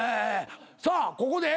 さあここで？